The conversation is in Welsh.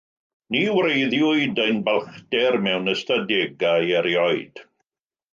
Ni wreiddiwyd ein balchder mewn ystadegau erioed.